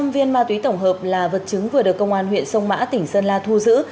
một hai trăm linh viên ma túy tổng hợp là vật chứng vừa được công an huyện sông mã tỉnh sơn la thu giữ